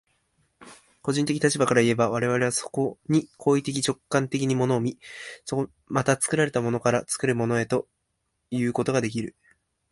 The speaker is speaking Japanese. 個人的立場からいえば、我々はそこに行為的直観的に物を見、また作られたものから作るものへということができる。